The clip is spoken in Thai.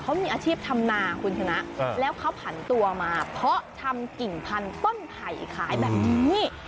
เขามีอาชีพทำนาคุณชนะแล้วเขาผันตัวมาเพราะทำกิ่งพันธุ์ต้นไผ่ขายแบบนี้